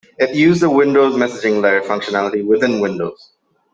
It used the "Windows Messaging Layer" functionality within Windows.